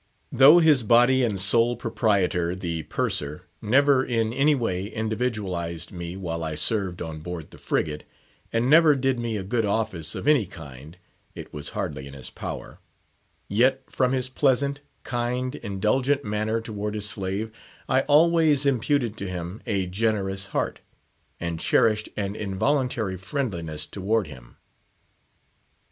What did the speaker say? Though his body and soul proprietor, the Purser, never in any way individualised me while I served on board the frigate, and never did me a good office of any kind (it was hardly in his power), yet, from his pleasant, kind, indulgent manner toward his slave, I always imputed to him a generous heart, and cherished an involuntary friendliness toward him.